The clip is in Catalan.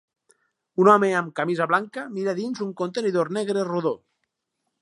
Un home amb camisa blanca mira dins un contenidor negre rodó